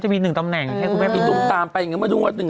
เหมือนปีนตุรมตามไปครับ